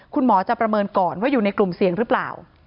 คุณหมอจะประเมินก่อนว่าอยู่ในกลุ่มเสี่ยงหรือเปล่า